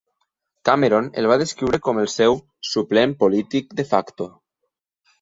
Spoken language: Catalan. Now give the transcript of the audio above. Cameron el va descriure com el seu "suplent polític de facto."